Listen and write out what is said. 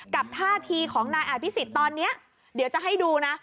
ท่าทีของนายอภิษฎตอนนี้เดี๋ยวจะให้ดูนะ